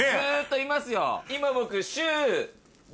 今僕。